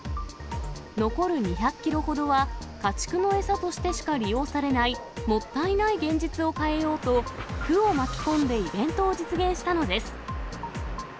残る２００キロほどは、家畜の餌としてしか利用されないもったいない現実を変えようと、区を巻き込んでイベントを実現したのです。